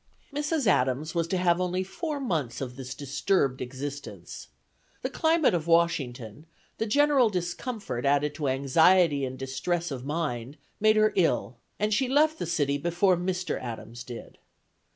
Mrs. Adams was to have only four months of this disturbed existence. The climate of Washington, the general discomfort added to anxiety and distress of mind, made her ill, and she left the city before Mr. Adams did.